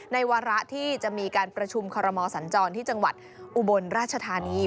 วาระที่จะมีการประชุมคอรมอสัญจรที่จังหวัดอุบลราชธานี